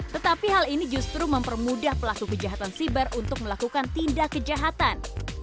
tetapi hal ini justru mempermudah pelaku kejahatan siber untuk melakukan tindak kejahatan